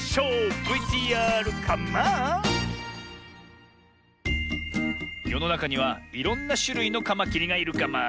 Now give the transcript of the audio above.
ＶＴＲカマン！よのなかにはいろんなしゅるいのカマキリがいるカマ。